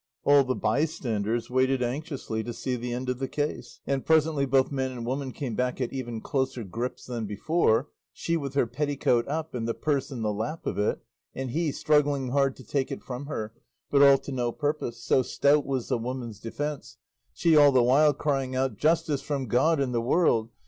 All the bystanders waited anxiously to see the end of the case, and presently both man and woman came back at even closer grips than before, she with her petticoat up and the purse in the lap of it, and he struggling hard to take it from her, but all to no purpose, so stout was the woman's defence, she all the while crying out, "Justice from God and the world!